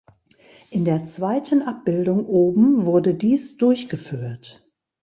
In der zweiten Abbildung oben wurde dies durchgeführt.